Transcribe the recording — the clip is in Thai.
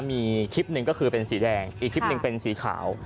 มีคลิปหนึ่งก็คือเป็นสีแดงอีกคลิปหนึ่งเป็นสีขาว